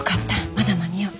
まだ間に合う。